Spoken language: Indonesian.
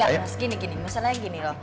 oh enggak mas gini gini